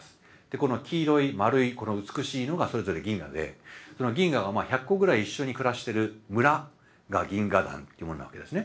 この黄色い丸い美しいのがそれぞれ銀河で銀河が１００個ぐらい一緒に暮らしてる村が銀河団ってものなわけですね。